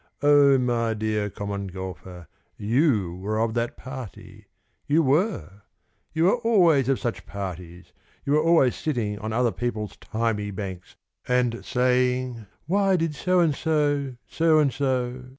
O, my dear Common Golfer, You were of that party; You were; You are always of such parties, You are always sitting On other people's thymy banks, And saying, "Why did So and so so and so?"